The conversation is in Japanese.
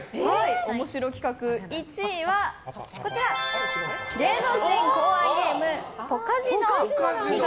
おもしろ企画１位は芸能人考案ゲームポカジノ。